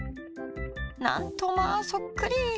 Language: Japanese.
なんとまあそっくり！